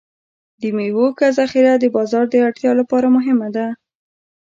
د میوو ښه ذخیره د بازار د اړتیا لپاره مهمه ده.